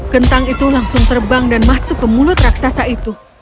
kentang itu langsung terbang dan masuk ke mulut raksasa itu